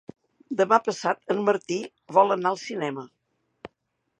Demà passat en Martí vol anar al cinema.